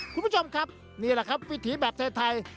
คุณผู้ชมครับนี่แหละครับวิถีแบบไทย